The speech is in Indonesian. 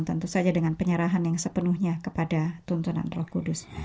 tentu saja dengan penyerahan yang sepenuhnya kepada tuntunan roh kudus